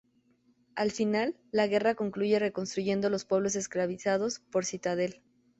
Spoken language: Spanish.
Al final, la guerra concluye reconstruyendo los pueblos esclavizados por Citadel.